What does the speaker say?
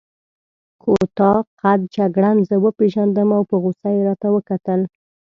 کوتاه قد جګړن زه وپېژندم او په غوسه يې راته وکتل.